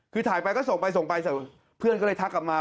คือถ่ายไปก็ส่งไปเพื่อนก็เลยทักกลับมา